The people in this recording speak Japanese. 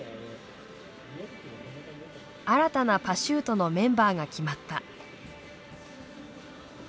新たなパシュートのメンバーが決まった。